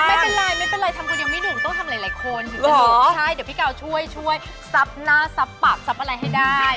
ไม่เป็นไรไม่เป็นไรทำคุณยังไม่หนุ่มต้องทำหลายคนถึงจะถูกใช่เดี๋ยวพี่กาวช่วยช่วยซับหน้าซับปากซับอะไรให้ได้